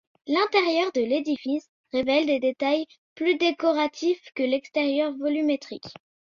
L'intérieur de l'édifice révèle des détails plus décoratifs que l'extérieur volumétrique.